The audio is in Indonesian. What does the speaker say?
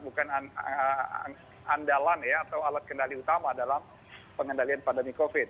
bukan andalan ya atau alat kendali utama dalam pengendalian pandemi covid